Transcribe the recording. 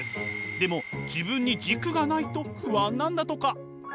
でも自分に軸がないと不安なんだとか。